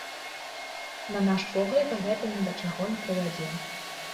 На наш погляд, гэта ні да чаго не прывядзе.